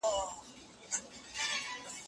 جرګه د ولسمشر کارونه څنګه څېړي؟